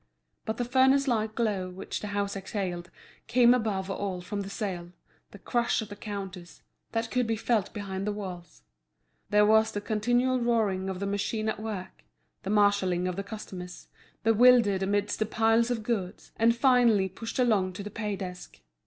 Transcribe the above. But the furnace like glow which the house exhaled came above all from the sale, the crush at the counters, that could be felt behind the walls. There was the continual roaring of the machine at work, the marshalling of the customers, bewildered amidst the piles of goods, and finally pushed along to the pay desk.